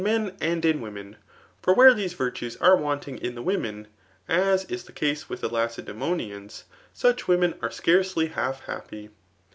meo and in women ; for where these virtues are wanting in die woinen» as is the case with the Laoedssmoiuans, sikJi women are scarcely half happy.